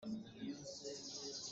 Hakha in kan ke in kan ra.